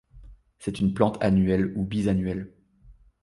C'est une plante annuelle ou bisannuelle.